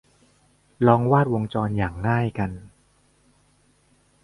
ลองวาดวงจรอย่างง่ายกัน